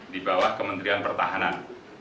di bawah kementerian pertahanan